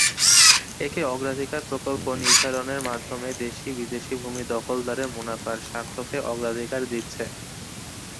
একে অগ্রাধিকার প্রকল্প নির্ধারণের মাধ্যমে দেশি-বিদেশি ভূমি দখলদারদের মুনাফার স্বার্থকে অগ্রাধিকার দিচ্ছে।